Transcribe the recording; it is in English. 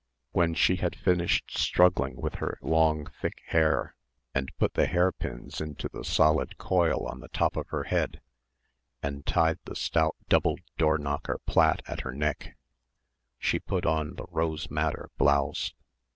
When she had finished struggling with her long thick hair and put the hairpins into the solid coil on the top of her head and tied the stout doubled door knocker plait at her neck, she put on the rose madder blouse.